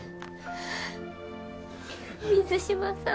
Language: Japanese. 水島さん。